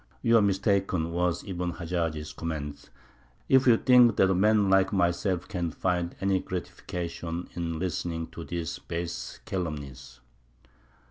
"You are mistaken," was Ibn Hajjāj's comment, "if you think that a man like myself can find any gratification in listening to these base calumnies."